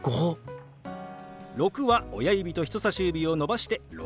「６」は親指と人さし指を伸ばして「６」。